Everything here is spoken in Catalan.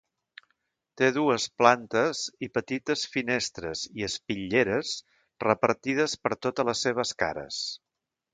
Té dues plantes i petites finestres i espitlleres repartides per totes les seves cares.